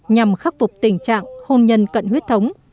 nhằm khắc phục tình trạng hôn nhân cận huyết thống